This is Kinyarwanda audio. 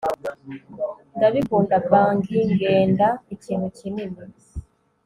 Ndabikunda Bang igenda ikintu kinini